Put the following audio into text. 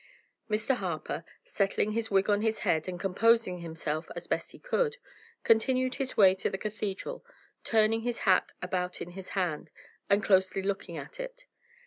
Mr. Harper, settling his wig on his head, and composing himself as he best could, continued his way to the cathedral, turning his hat about in his hand, and closely looking at it.